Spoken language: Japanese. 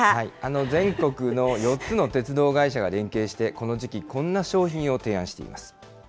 全国の４つの鉄道会社が連携してこの時期、こんな商品を提案